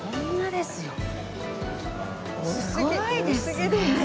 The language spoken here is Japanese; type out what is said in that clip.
すごいですね！